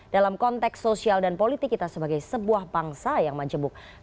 dalam konteks sosial dan politik kita sebagai sebuah bangsa yang majemuk